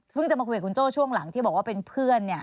เพิ่งจะมาคุยกับคุณโจ้ช่วงหลังที่บอกว่าเป็นเพื่อน